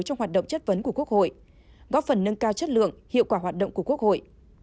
trong hoạt động chất vấn của quốc hội góp phần nâng cao chất lượng hiệu quả hoạt động của quốc hội